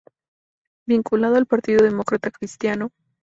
Vinculado al partido Demócrata Cristiano.